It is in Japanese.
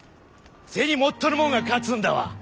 銭持っとるもんが勝つんだわ。